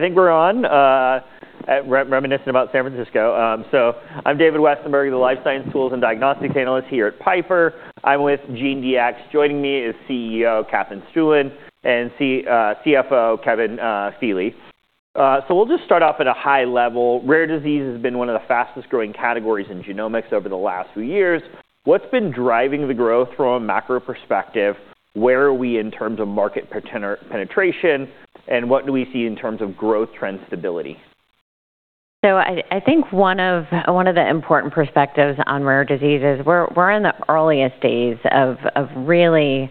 I think we're on. Reminiscing about San Francisco. I'm David Westenberg, the life science tools and diagnostic analyst here at Piper. I'm with GeneDx. Joining me is CEO Katherine Stueland and CFO Kevin Feeley. So, we'll just start off at a high level. Rare disease has been one of the fastest-growing categories in genomics over the last few years. What's been driving the growth from a macro perspective? Where are we in terms of market penetration? And what do we see in terms of growth trend stability? I think one of the important perspectives on rare disease is we're in the earliest days of really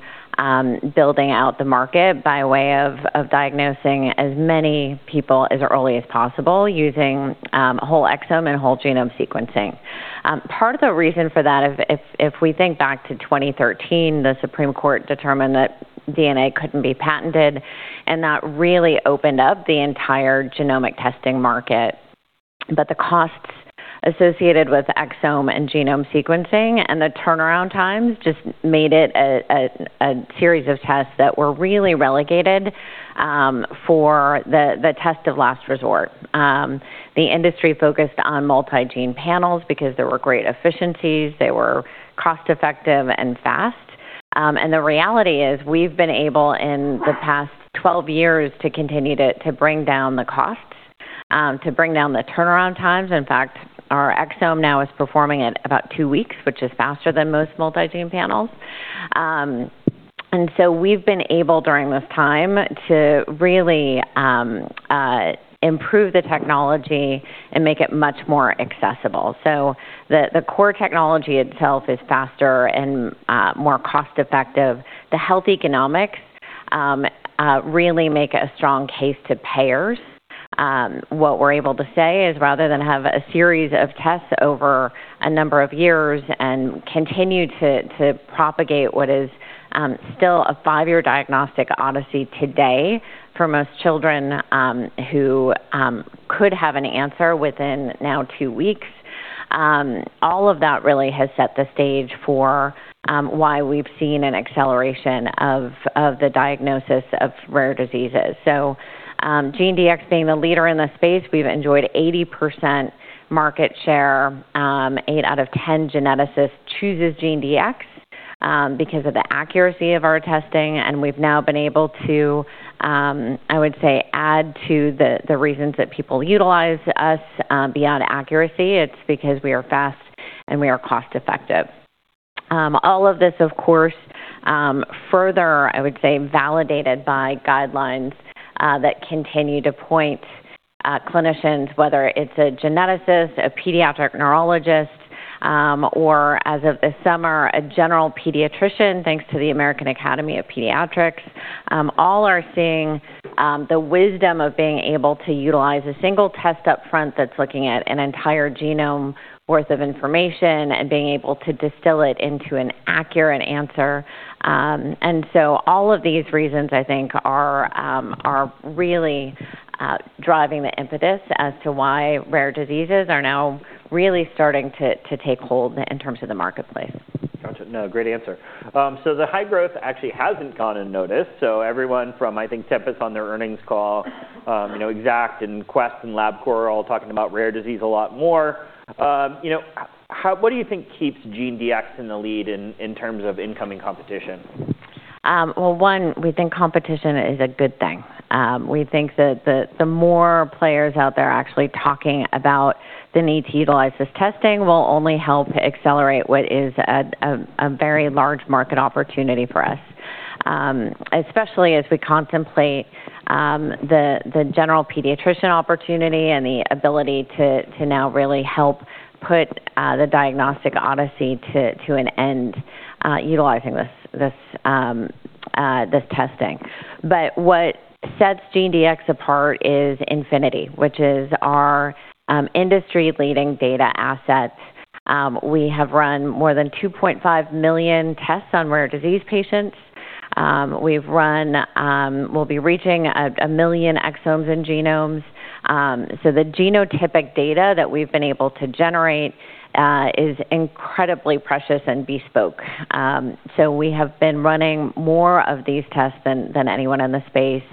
building out the market by way of diagnosing as many people as early as possible using whole exome and whole genome sequencing. Part of the reason for that, if we think back to 2013, the Supreme Court determined that DNA couldn't be patented, and that really opened up the entire genomic testing market. But the costs associated with exome and genome sequencing and the turnaround times just made it a series of tests that were really relegated for the test of last resort. The industry focused on multi-gene panels because there were great efficiencies, they were cost-effective and fast. And the reality is we've been able in the past 12 years to continue to bring down the costs, to bring down the turnaround times. In fact, our exome now is performing at about two weeks, which is faster than most multi-gene panels. And so we've been able during this time to really improve the technology and make it much more accessible. So the core technology itself is faster and more cost-effective. The health economics really make a strong case to payers. What we're able to say is rather than have a series of tests over a number of years and continue to propagate what is still a five-year diagnostic odyssey today for most children who could have an answer within now two weeks. All of that really has set the stage for why we've seen an acceleration of the diagnosis of rare diseases. GeneDx being the leader in the space, we've enjoyed 80% market share. Eight out of 10 geneticists chooses GeneDx, because of the accuracy of our testing. And we've now been able to, I would say, add to the reasons that people utilize us, beyond accuracy. It's because we are fast and we are cost-effective. All of this, of course, further, I would say, validated by guidelines that continue to point clinicians, whether it's a geneticist, a pediatric neurologist, or as of this summer, a general pediatrician, thanks to the American Academy of Pediatrics, all are seeing the wisdom of being able to utilize a single test upfront that's looking at an entire genome worth of information and being able to distill it into an accurate answer. And so all of these reasons, I think, are really driving the impetus as to why rare diseases are now really starting to take hold in terms of the marketplace. Gotcha. No, great answer. So the high growth actually hasn't gone unnoticed. So everyone from, I think, Tempus on their earnings call Exact and Quest and LabCorp are all talking about rare disease a lot more. What do you think keeps GeneDx in the lead in terms of incoming competition? Well, one, we think competition is a good thing. We think that the more players out there actually talking about the need to utilize this testing will only help accelerate what is a very large market opportunity for us. Especially as we contemplate the general pediatrician opportunity and the ability to now really help put the diagnostic odyssey to an end, utilizing this testing. But what sets GeneDx apart is Infinity, which is our industry-leading data asset. We have run more than 2.5 million tests on rare disease patients. We've run, we'll be reaching a million exomes and genomes. So the genotypic data that we've been able to generate is incredibly precious and bespoke. So we have been running more of these tests than anyone in the space.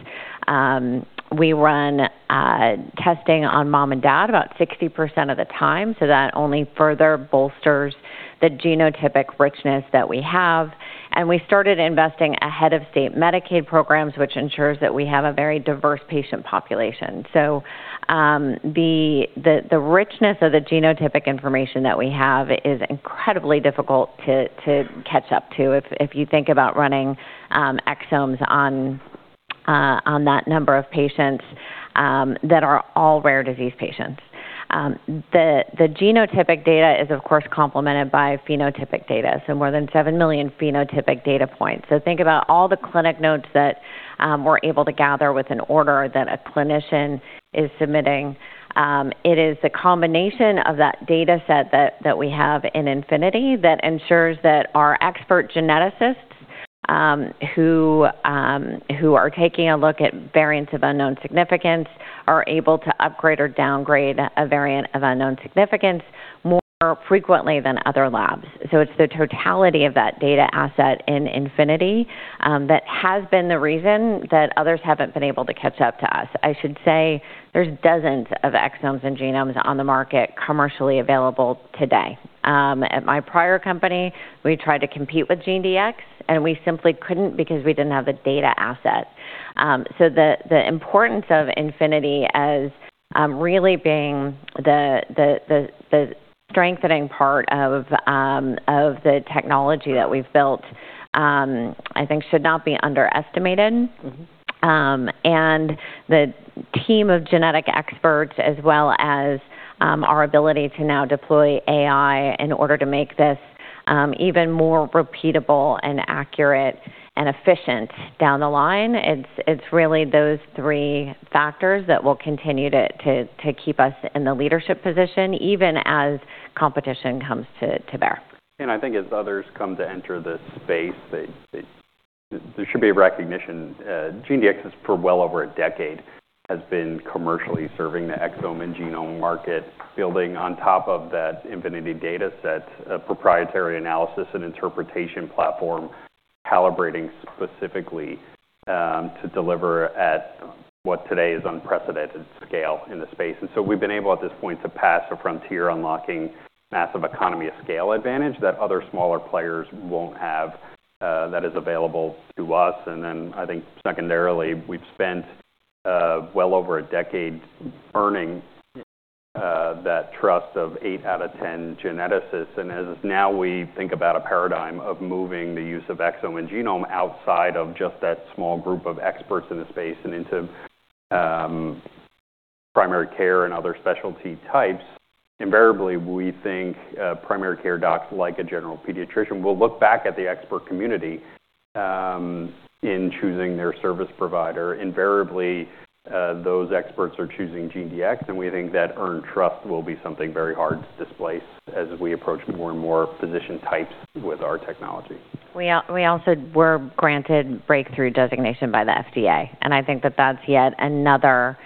We run testing on mom and dad about 60% of the time, so that only further bolsters the genotypic richness that we have. And we started investing ahead of state Medicaid programs, which ensures that we have a very diverse patient population. So, the richness of the genotypic information that we have is incredibly difficult to catch up to if you think about running exomes on that number of patients that are all rare disease patients. The genotypic data is, of course, complemented by phenotypic data, so more than seven million phenotypic data points. So think about all the clinical notes that we're able to gather with an order that a clinician is submitting. It is the combination of that data set that we have in Infinity that ensures that our expert geneticists, who are taking a look at variants of unknown significance, are able to upgrade or downgrade a variant of unknown significance more frequently than other labs. So it's the totality of that data asset in Infinity that has been the reason that others haven't been able to catch up to us. I should say there's dozens of exomes and genomes on the market commercially available today. At my prior company, we tried to compete with GeneDx, and we simply couldn't because we didn't have the data asset. So the importance of Infinity as really being the strengthening part of the technology that we've built, I think should not be underestimated, and the team of genetic experts, as well as our ability to now deploy AI in order to make this even more repeatable and accurate and efficient down the line. It's really those three factors that will continue to keep us in the leadership position even as competition comes to bear. I think as others come to enter this space, they, there should be a recognition. GeneDx for well over a decade has been commercially serving the exome and genome market, building on top of that Infinity data set, proprietary analysis and interpretation platform, calibrating specifically to deliver at what today is unprecedented scale in the space. So we've been able at this point to pass a frontier unlocking massive economy of scale advantage that other smaller players won't have, that is available to us. Then I think secondarily, we've spent well over a decade earning that trust of eight out of 10 geneticists. As now we think about a paradigm of moving the use of exome and genome outside of just that small group of experts in the space and into primary care and other specialty types, invariably we think primary care docs like a general pediatrician will look back at the expert community in choosing their service provider. Invariably, those experts are choosing GeneDx, and we think that earned trust will be something very hard to displace as we approach more and more physician types with our technology. We also were granted breakthrough designation by the FDA, and I think that that's yet another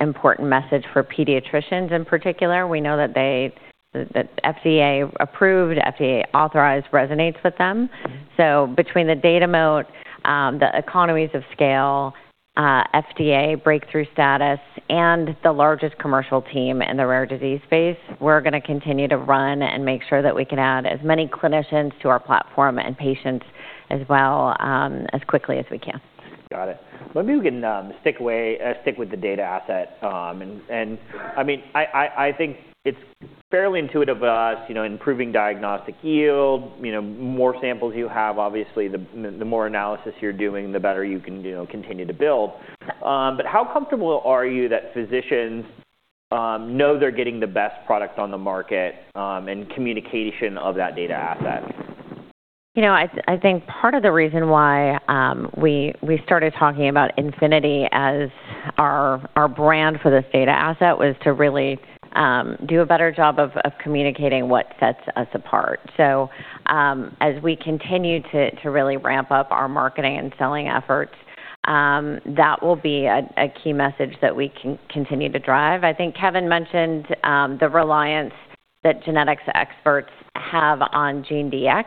important message for pediatricians in particular. We know that they, that FDA approved, FDA authorized resonates with them. So between the data moat, the economies of scale, FDA breakthrough status, and the largest commercial team in the rare disease space, we're gonna continue to run and make sure that we can add as many clinicians to our platform and patients as well, as quickly as we can. Got it. Maybe we can stick with the data asset. And I mean, I think it's fairly intuitive to us, you know, improving diagnostic yield, you know, more samples you have, obviously the more analysis you're doing, the better you can, you know, continue to build. But how comfortable are you that physicians know they're getting the best product on the market, and communication of that data asset? I think part of the reason why we started talking about Infinity as our brand for this data asset was to really do a better job of communicating what sets us apart. So, as we continue to really ramp up our marketing and selling efforts, that will be a key message that we can continue to drive. I think Kevin mentioned the reliance that genetics experts have on GeneDx.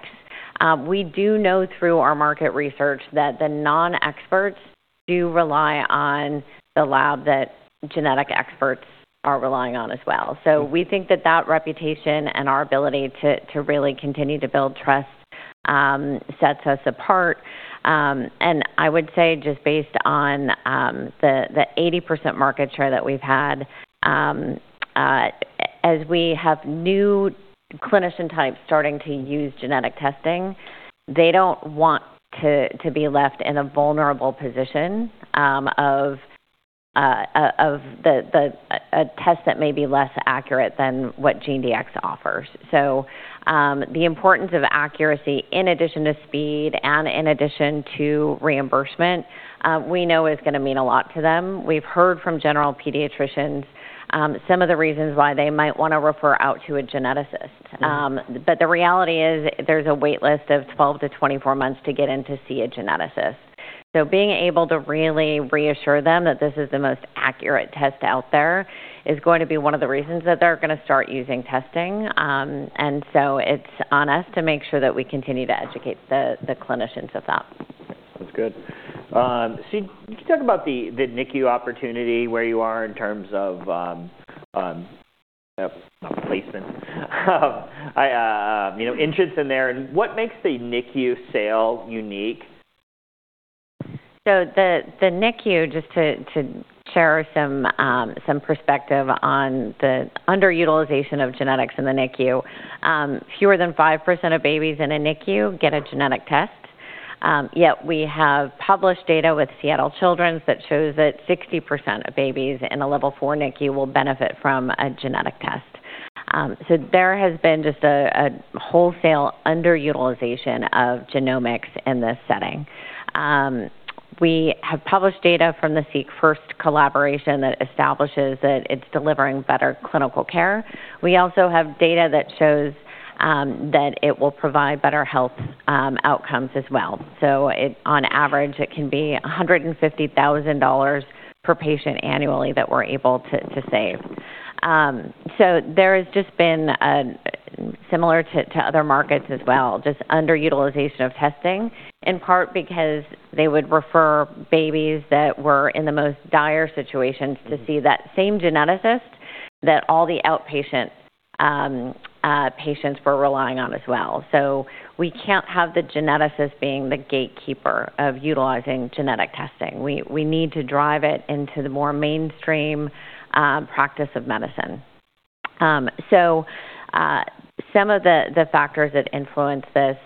We do know through our market research that the non-experts do rely on the lab that genetic experts are relying on as well. So we think that reputation and our ability to really continue to build trust sets us apart. and I would say just based on the 80% market share that we've had, as we have new clinician types starting to use genetic testing, they don't want to be left in a vulnerable position of a test that may be less accurate than what GeneDx offers, so the importance of accuracy in addition to speed and in addition to reimbursement, we know is gonna mean a lot to them, we've heard from general pediatricians, some of the reasons why they might wanna refer out to a geneticist, but the reality is there's a wait list of 12-24 months to get in to see a geneticist, so being able to really reassure them that this is the most accurate test out there is going to be one of the reasons that they're gonna start using testing. And so it's on us to make sure that we continue to educate the clinicians of that. Sounds good. See, you talk about the NICU opportunity where you are in terms of placement interest in there. And what makes the NICU sale unique? So the NICU, just to share some perspective on the underutilization of genetics in the NICU, fewer than five% of babies in a NICU get a genetic test. Yet we have published data with Seattle Children's that shows that 60% of babies in a level four NICU will benefit from a genetic test. So there has been just a wholesale underutilization of genomics in this setting. We have published data from the Seek First collaboration that establishes that it's delivering better clinical care. We also have data that shows that it will provide better health outcomes as well. So it, on average, can be $150,000 per patient annually that we're able to save. There has just been a similar underutilization of testing to other markets as well, in part because they would refer babies that were in the most dire situations to see that same geneticist that all the outpatient patients were relying on as well. We can't have the geneticist being the gatekeeper of utilizing genetic testing. We need to drive it into the more mainstream practice of medicine. Some of the factors that influence this,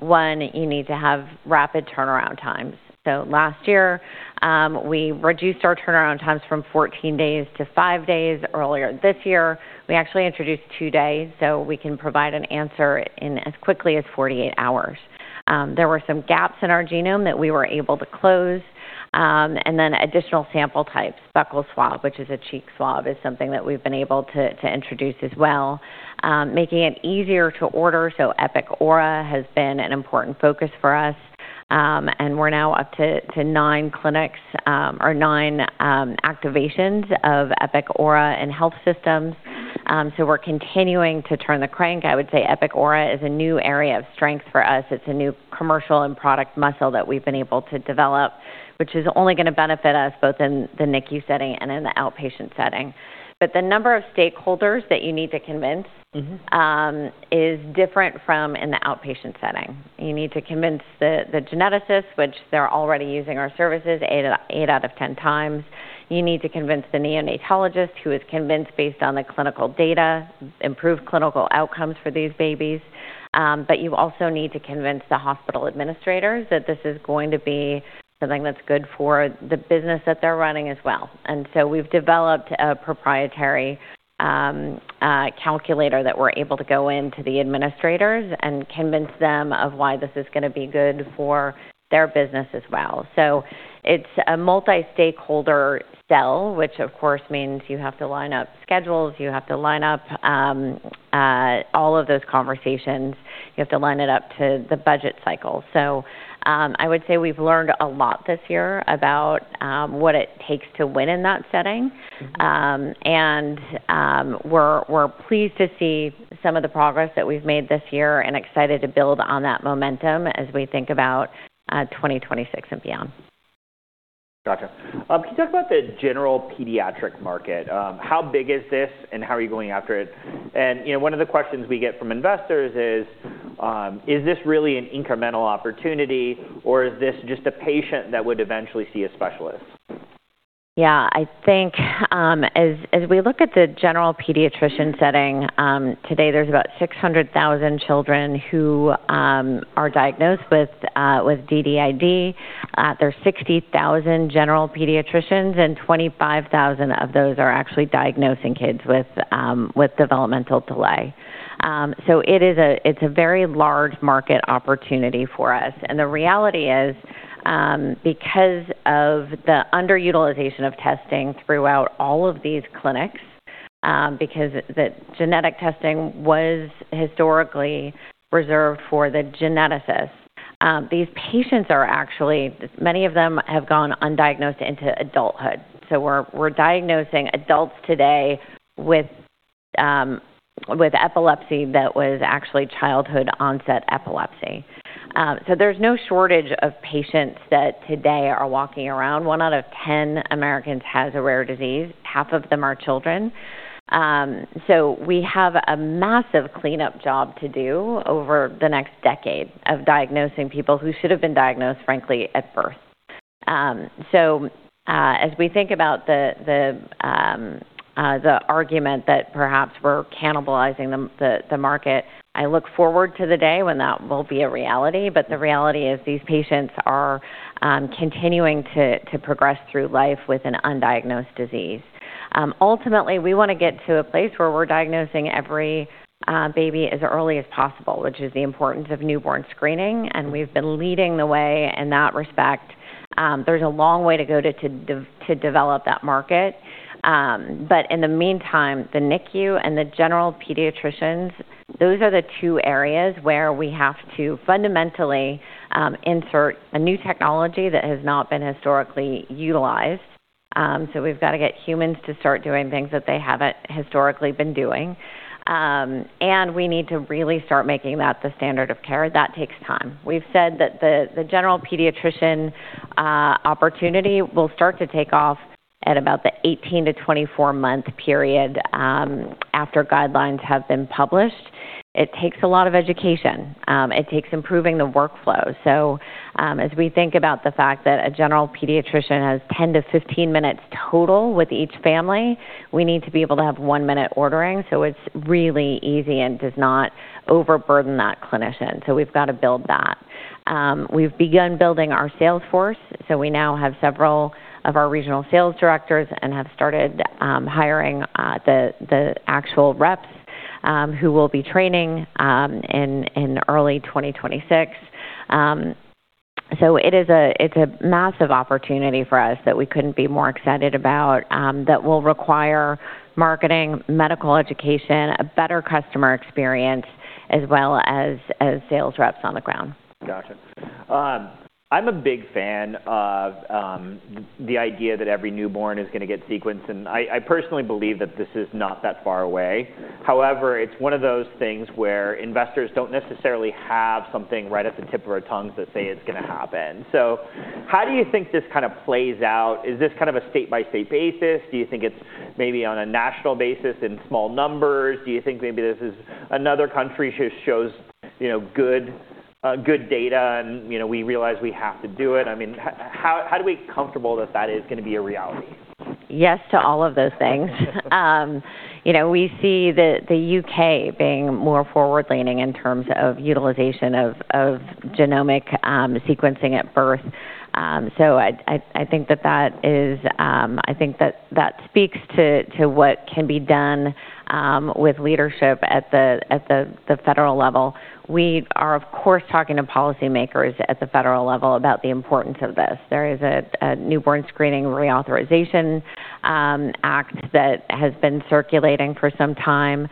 one, you need to have rapid turnaround times. Last year, we reduced our turnaround times from 14 days to 5 days earlier this year. We actually introduced two days so we can provide an answer in as quickly as 48 hours. There were some gaps in our genome that we were able to close, and then additional sample types, buccal swab, which is a cheek swab, is something that we've been able to introduce as well, making it easier to order. So Epic Aura has been an important focus for us, and we're now up to nine clinics, or nine activations of Epic Aura and health systems, so we're continuing to turn the crank. I would say Epic Aura is a new area of strength for us. It's a new commercial and product muscle that we've been able to develop, which is only gonna benefit us both in the NICU setting and in the outpatient setting, but the number of stakeholders that you need to convince is different from in the outpatient setting. You need to convince the geneticists, which they're already using our services eight, eight out of 10 times. You need to convince the neonatologist who is convinced based on the clinical data, improve clinical outcomes for these babies, but you also need to convince the hospital administrators that this is going to be something that's good for the business that they're running as well, and so we've developed a proprietary calculator that we're able to go into the administrators and convince them of why this is gonna be good for their business as well, so it's a multi-stakeholder sell, which of course means you have to line up schedules, you have to line up all of those conversations, you have to line it up to the budget cycle. I would say we've learned a lot this year about what it takes to win in that setting. We're pleased to see some of the progress that we've made this year and excited to build on that momentum as we think about 2026 and beyond. Gotcha. Can you talk about the general pediatric market? How big is this and how are you going after it? And, you know, one of the questions we get from investors is, is this really an incremental opportunity or is this just a patient that would eventually see a specialist? Yeah, I think, as we look at the general pediatrician setting, today there's about 600,000 children who are diagnosed with DDID. There's 60,000 general pediatricians and 25,000 of those are actually diagnosing kids with developmental delay. So it is a very large market opportunity for us. And the reality is, because of the underutilization of testing throughout all of these clinics, because the genetic testing was historically reserved for the geneticists, these patients are actually, many of them have gone undiagnosed into adulthood. So we're diagnosing adults today with epilepsy that was actually childhood onset epilepsy. So there's no shortage of patients that today are walking around. One out of 10 Americans has a rare disease. Half of them are children. So we have a massive cleanup job to do over the next decade of diagnosing people who should have been diagnosed, frankly, at birth. So, as we think about the argument that perhaps we're cannibalizing the market, I look forward to the day when that will be a reality. But the reality is these patients are continuing to progress through life with an undiagnosed disease. Ultimately, we wanna get to a place where we're diagnosing every baby as early as possible, which is the importance of newborn screening. And we've been leading the way in that respect. There's a long way to go to develop that market. But in the meantime, the NICU and the general pediatricians, those are the two areas where we have to fundamentally insert a new technology that has not been historically utilized. So we've gotta get humans to start doing things that they haven't historically been doing. And we need to really start making that the standard of care. That takes time. We've said that the general pediatrician opportunity will start to take off at about the 18-24 month period, after guidelines have been published. It takes a lot of education. It takes improving the workflow. So, as we think about the fact that a general pediatrician has 10-15 minutes total with each family, we need to be able to have one minute ordering. So it's really easy and does not overburden that clinician. So we've gotta build that. We've begun building our salesforce. So we now have several of our regional sales directors and have started hiring the actual reps, who will be training in early 2026. So it is, it's a massive opportunity for us that we couldn't be more excited about, that will require marketing, medical education, a better customer experience as well as sales reps on the ground. Gotcha. I'm a big fan of the idea that every newborn is gonna get sequenced. I personally believe that this is not that far away. However, it's one of those things where investors don't necessarily have something right at the tip of our tongues that say it's gonna happen. So how do you think this kind of plays out? Is this kind of a state-by-state basis? Do you think it's maybe on a national basis in small numbers? Do you think maybe this is another country who shows, you know, good data and, you know, we realize we have to do it? I mean, how do we get comfortable that that is gonna be a reality? Yes to all of those things. You know, we see the U.K. being more forward-leaning in terms of utilization of genomic sequencing at birth. I think that is, I think that speaks to what can be done with leadership at the federal level. We are, of course, talking to policymakers at the federal level about the importance of this. There is a newborn screening reauthorization act that has been circulating for some time.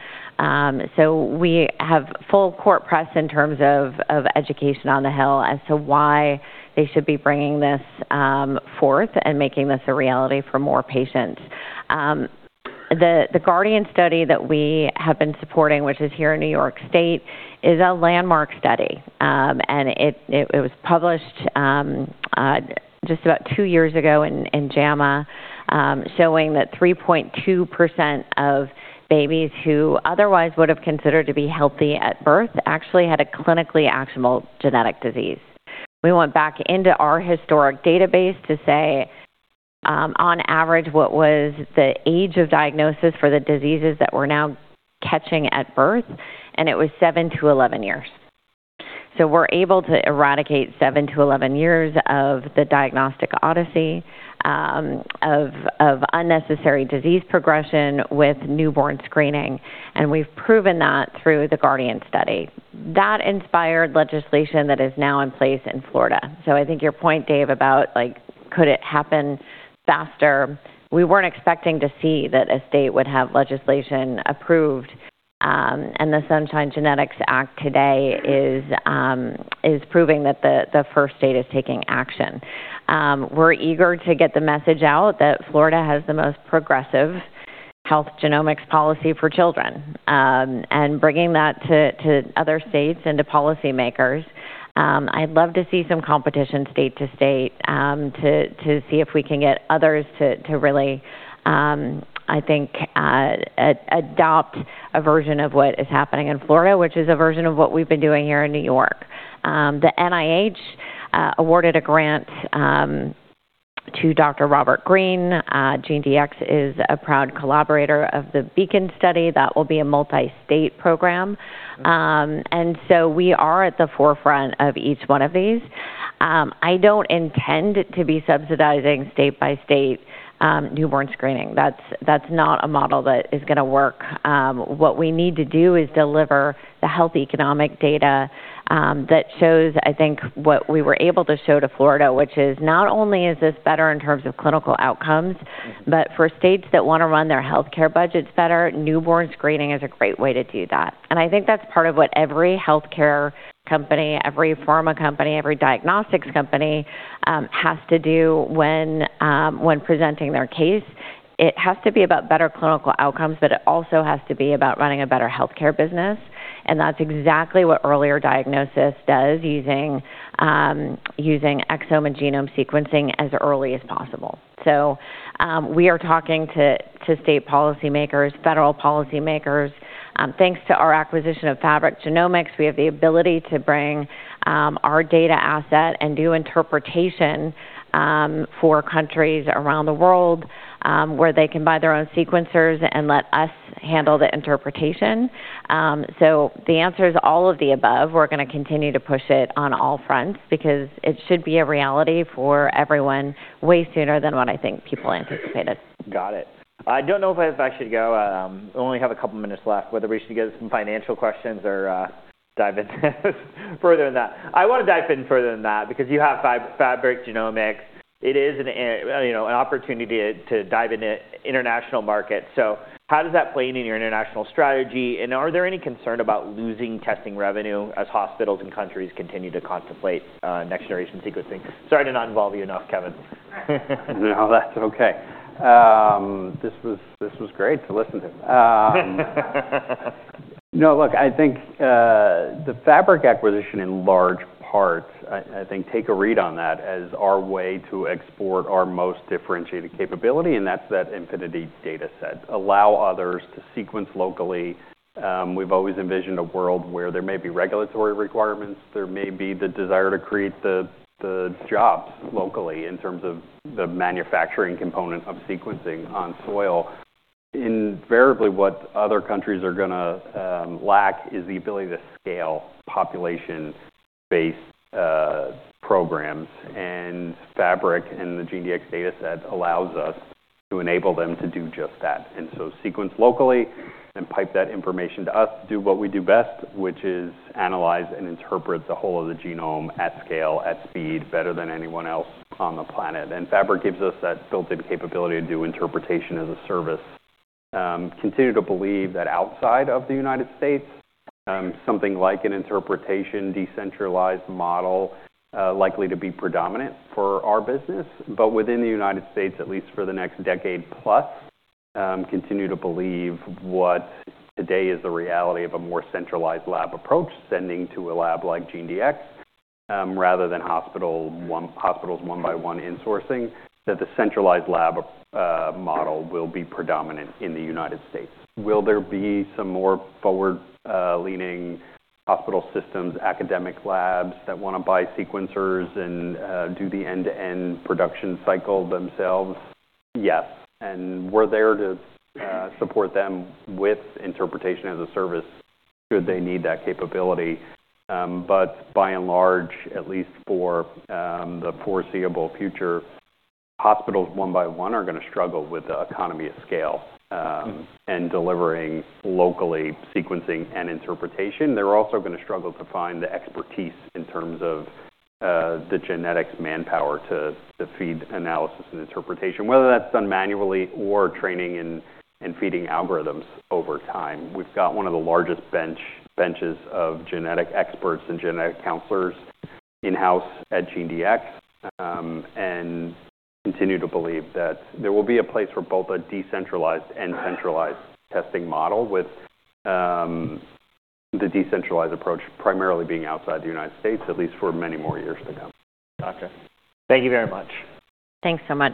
We have full court press in terms of education on the Hill as to why they should be bringing this forth and making this a reality for more patients. The Guardian study that we have been supporting, which is here in New York State, is a landmark study. It was published just about two years ago in JAMA, showing that 3.2% of babies who otherwise would've considered to be healthy at birth actually had a clinically actionable genetic disease. We went back into our historic database to say, on average, what was the age of diagnosis for the diseases that we're now catching at birth, and it was seven to 11 years. So we're able to eradicate seven to 11 years of the diagnostic odyssey, of unnecessary disease progression with newborn screening. And we've proven that through the Guardian study. That inspired legislation that is now in place in Florida. So I think your point, Dave, about like, could it happen faster? We weren't expecting to see that a state would have legislation approved, and the Sunshine Genetics Act today is proving that the first state is taking action. We're eager to get the message out that Florida has the most progressive health genomics policy for children, and bringing that to other states and to policymakers. I'd love to see some competition state to state, to see if we can get others to really, I think, adopt a version of what is happening in Florida, which is a version of what we've been doing here in New York. The NIH awarded a grant to Dr. Robert Green. GeneDx is a proud collaborator of the Beacon study. That will be a multi-state program. And so we are at the forefront of each one of these. I don't intend to be subsidizing state by state newborn screening. That's not a model that is gonna work. What we need to do is deliver the health economic data that shows, I think, what we were able to show to Florida, which is not only is this better in terms of clinical outcomes, but for states that wanna run their healthcare budgets better, newborn screening is a great way to do that. I think that's part of what every healthcare company, every pharma company, every diagnostics company has to do when presenting their case. It has to be about better clinical outcomes, but it also has to be about running a better healthcare business. And that's exactly what earlier diagnosis does using exome and genome sequencing as early as possible. So we are talking to state policymakers, federal policymakers. Thanks to our acquisition of Fabric Genomics, we have the ability to bring our data asset and do interpretation for countries around the world, where they can buy their own sequencers and let us handle the interpretation. So the answer is all of the above. We're gonna continue to push it on all fronts because it should be a reality for everyone way sooner than what I think people anticipated. Got it. I don't know if I have actually to go. I only have a couple minutes left, whether we should get some financial questions or dive in further than that. I wanna dive in further than that because you have Fab, Fabric Genomics. It is an, you know, an opportunity to, to dive into international markets. So how does that play into your international strategy? And are there any concern about losing testing revenue as hospitals and countries continue to contemplate next generation sequencing? Sorry to not involve you enough, Kevin. No, that's okay. This was, this was great to listen to. No, look, I think the Fabric acquisition in large part, I, I think take a read on that as our way to export our most differentiated capability, and that's that Infinity data set. Allow others to sequence locally. We've always envisioned a world where there may be regulatory requirements, there may be the desire to create the, the jobs locally in terms of the manufacturing component of sequencing on soil. Invariably, what other countries are gonna lack is the ability to scale population-based programs. And Fabric and the GeneDx's data set allows us to enable them to do just that. And so sequence locally and pipe that information to us to do what we do best, which is analyze and interpret the whole of the genome at scale, at speed better than anyone else on the planet. And Fabric gives us that built-in capability to do interpretation as a service. Continue to believe that outside of the United States, something like an interpretation decentralized model, likely to be predominant for our business. But within the United States, at least for the next decade plus, continue to believe what today is the reality of a more centralized lab approach, sending to a lab like GeneDx, rather than hospital one, hospitals one by one insourcing, that the centralized lab model will be predominant in the United States. Will there be some more forward-leaning hospital systems, academic labs that wanna buy sequencers and do the end-to-end production cycle themselves? Yes. And we're there to support them with interpretation as a service should they need that capability. But by and large, at least for the foreseeable future, hospitals one by one are gonna struggle with the economy of scale and delivering locally sequencing and interpretation. They're also gonna struggle to find the expertise in terms of the genetics manpower to feed analysis and interpretation, whether that's done manually or training and feeding algorithms over time. We've got one of the largest benches of genetic experts and genetic counselors in-house at GeneDx, and continue to believe that there will be a place for both a decentralized and centralized testing model with the decentralized approach primarily being outside the United States, at least for many more years to come. Gotcha. Thank you very much. Thanks so much.